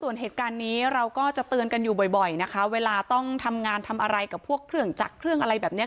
ส่วนเหตุการณ์นี้เราก็จะเตือนกันอยู่บ่อยนะคะเวลาต้องทำงานทำอะไรกับพวกเครื่องจักรเครื่องอะไรแบบนี้